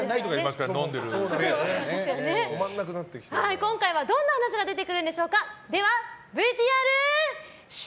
今回はどんな話が出てくるんでしょうか。